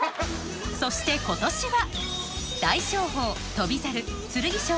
そして今年は！